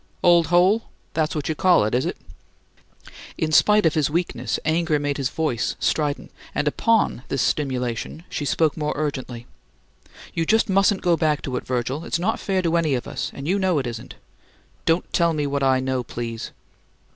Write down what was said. "'Old hole?' That's what you call it, is it?" In spite of his weakness, anger made his voice strident, and upon this stimulation she spoke more urgently. "You just mustn't go back to it, Virgil. It's not fair to any of us, and you know it isn't." "Don't tell me what I know, please!"